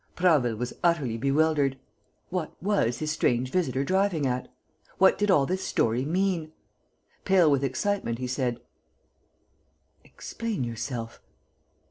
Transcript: Prasville was utterly bewildered. What was his strange visitor driving at? What did all this story mean? Pale with excitement, he said: "Explain yourself."